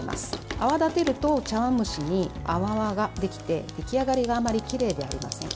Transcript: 泡立てると茶わん蒸しにあわあわができて出来上がりがあまりきれいではありません。